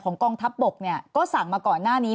กองทัพบกเนี่ยก็สั่งมาก่อนหน้านี้